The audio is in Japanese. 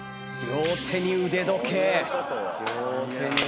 両手に腕時計。